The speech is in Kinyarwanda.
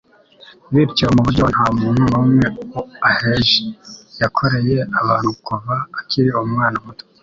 Bityo, mu buryo nta muntu n'umwe aheje, yakoreye abantu kuva akiri umwana muto